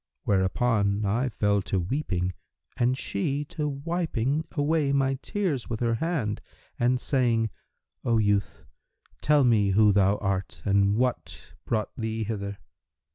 Whereupon I fell to weeping, and she to wiping away my tears with her hand and saying, 'O youth, tell me who thou art, and what brought thee hither.'